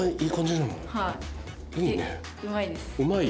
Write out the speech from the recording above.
うまい？